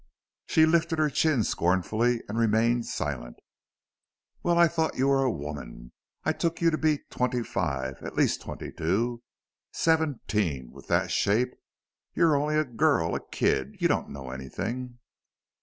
She lifted her chin scornfully and remained silent. "Well, I thought you were a woman. I took you to be twenty five at least twenty two. Seventeen, with that shape! You're only a girl a kid. You don't know anything."